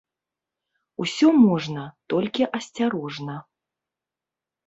Усё можна, толькі асцярожна.